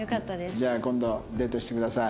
じゃあ今度デートしてください。